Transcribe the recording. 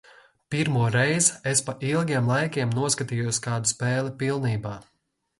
Pirmoreiz es pa ilgiem laikiem noskatījos kādu spēli pilnībā.